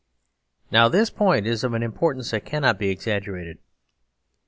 Now this point is of an importance that cannot be exaggerated.